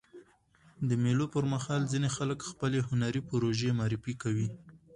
د مېلو پر مهال ځيني خلک خپلي هنري پروژې معرفي کوي.